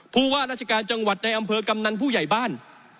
ผู้ว่าราชการจังหวัดในอำเภอกำนันผู้ใหญ่บ้าน